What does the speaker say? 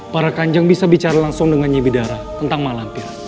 para kanjeng bisa bicara langsung dengan nyibi dara tentang malampir